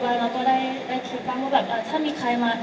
ว่าถ้ามีใครมาติดเราเลือกเล่นให้น้อยเนี่ยขำไปไม่เป็นไรเราก็จะดูขึ้น